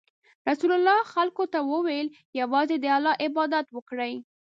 رسول الله خلکو ته وویل: یوازې د الله عبادت وکړئ.